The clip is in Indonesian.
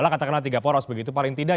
katakanlah tiga poros begitu paling tidak